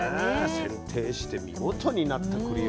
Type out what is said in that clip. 剪定して見事になったくりを。